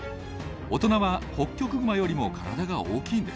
大人はホッキョクグマよりも体が大きいんです。